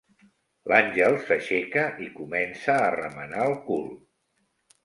L'Àngels s'aixeca i comença a remenar el cul.